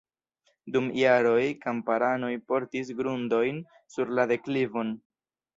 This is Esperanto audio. Dum jaroj kamparanoj portis grundojn sur la deklivon.